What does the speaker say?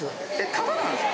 タダなんですか！？